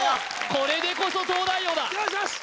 これでこそ東大王だよしよし！